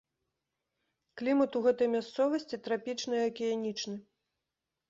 Клімат у гэтай мясцовасці трапічны акіянічны.